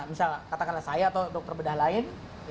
misal katakanlah saya atau dokter bedah lain